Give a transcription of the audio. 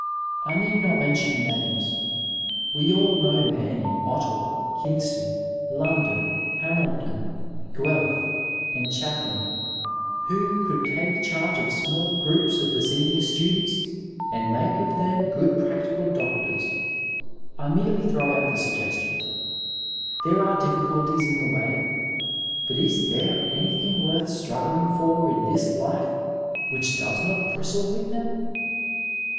I need not mention names: We all know men in Ottawa, King ston, London, Hamilton, Guelph and Chatham, who could take charge of small groups of the senior students and make 8G7 Digitized by Google THE MASTER WORD IN MEDICINE of them good practical doctors. I merely throw out the suggestion. There are difficultieB in the way ; bat is there anything worth struggling for in this life which does not bristle with them